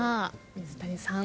水谷さん